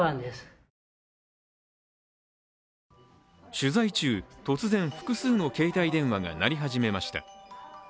取材中、突然複数の携帯電話が鳴り始めました。